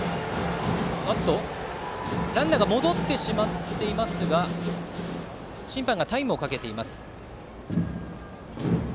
ランナー戻ってしまっていますが審判がタイムをかけています。